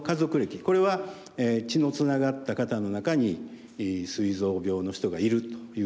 これは血のつながった方の中にすい臓病の人がいるというようなこと。